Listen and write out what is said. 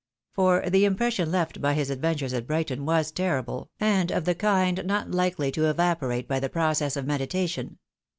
For the impression left by his adventures at Brighton was terrible, and of the kind not likely to evaporate by the process of medi tation.